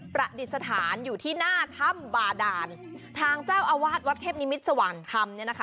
ประดิษฐานอยู่ที่หน้าถ้ำบาดานทางเจ้าอาวาสวัดเทพนิมิตรสว่างธรรมเนี่ยนะคะ